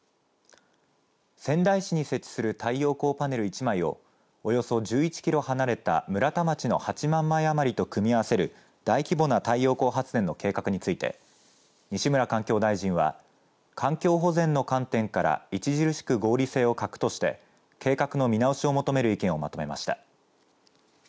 仙台市に設置する太陽光パネル１枚をおよそ１１キロ離れた村田町の８万枚余りと組み合わせる大規模な太陽光発電の計画について西村環境大臣は環境保全の観点から著しく合理性を欠くとして計画の見直しを求める意見をまとめました。